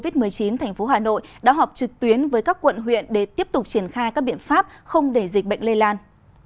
chiều nay ban chỉ đạo phòng chống dịch covid một mươi chín tp hà nội đã họp trực tuyến với các quận huyện để tiếp tục triển khai các biện pháp không để dịch bệnh lây lan